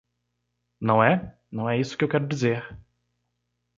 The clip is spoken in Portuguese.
Não é?, não é isso que eu quero dizer.